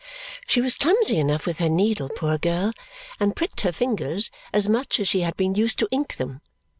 She was clumsy enough with her needle, poor girl, and pricked her fingers as much as she had been used to ink them.